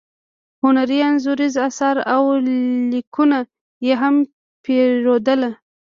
هنري انځوریز اثار او لیکونه یې هم پیرودل.